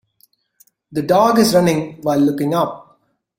The dog is running while looking up